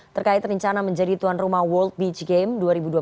terkait rencana menjadi tuan rumah world beach game dua ribu dua puluh tiga